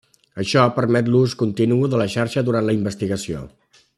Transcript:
Això permet l'ús continu de la xarxa durant la investigació.